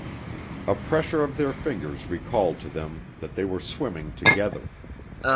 A pressure of their fingers recalled to them that they were swimming together.